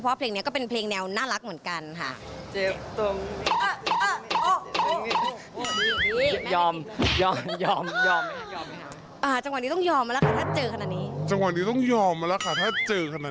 เพราะเพลงนี้ก็เป็นเพลงแนวน่ารักเหมือนกันค่ะ